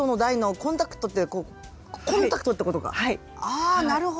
ああなるほど。